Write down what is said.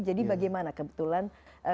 jadi bagaimana kebetulan